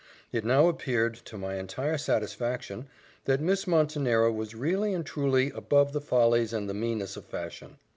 It now appeared, to my entire satisfaction, that Miss Montenero was really and truly above the follies and the meanness of fashion.